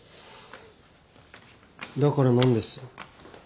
だから何です？